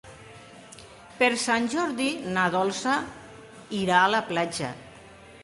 Per Sant Jordi na Dolça irà a la platja.